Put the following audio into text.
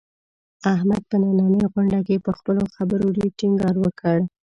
احمد په نننۍ غونډه کې، په خپلو خبرو ډېر ټینګار وکړ.